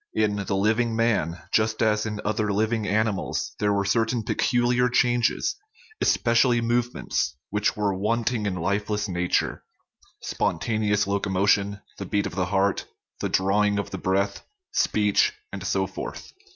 In the living man, just as in other living animals, there 39 THE RIDDLE OF THE UNIVERSE were certain peculiar changes, especially movements, which were wanting in lifeless nature: spontaneous locomotion, the beat of the heart, the drawing of the breath, speech, and so forth.